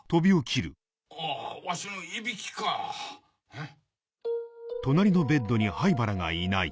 あぁわしのいびきかん？